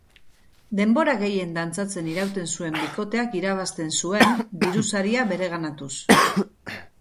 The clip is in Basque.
Denbora gehien dantzatzen irauten zuen bikoteak irabazten zuen, diru-saria bereganatuz.